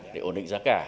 để ổn định giá cả